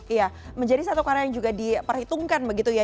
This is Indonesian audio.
iya menjadi satu karya yang juga diperhitungkan begitu ya